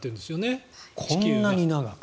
こんなに長く。